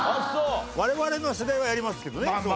我々の世代はやりますけどね。